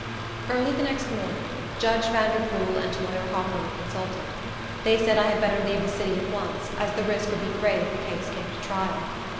Early the next morning, Judge Vanderpool and Lawyer Hopper were consulted. They said I had better leave the city at once, as the risk would be great if the case came to trial.